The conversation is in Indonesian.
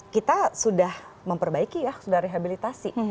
kita sudah memperbaiki ya sudah rehabilitasi